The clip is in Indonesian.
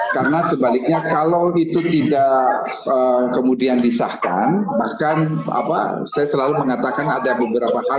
karena sebaliknya kalau itu tidak kemudian disahkan bahkan saya selalu mengatakan ada beberapa hal